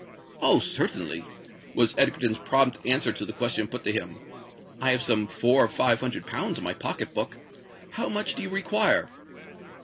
"Oh! certainly," was Egerton's prompt answer to the question put to him. "I have some four or five hundred pounds in my pocket book. How much do you require?"